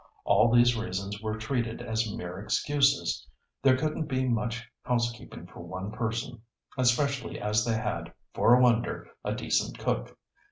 All these reasons were treated as mere excuses. There couldn't be much housekeeping for one person, especially as they had, for a wonder, a decent cook.